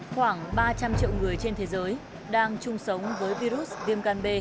khoảng ba trăm linh triệu người trên thế giới đang chung sống với virus viêm gan b